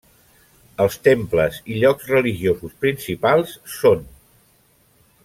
Els temples i llocs religiosos principals són.